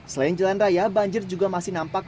selain jalan raya banjir juga masih nampak